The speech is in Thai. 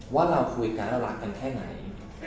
ว่าเราคุยกันแล้วรักกันแค่ไหน